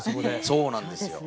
そうなんですよ。